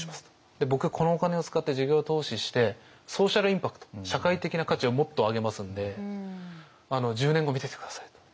で僕がこのお金を使って事業投資してソーシャルインパクト社会的な価値をもっと上げますんで１０年後見てて下さいと。